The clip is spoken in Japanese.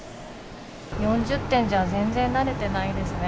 ４０．じゃ全然慣れてないですね。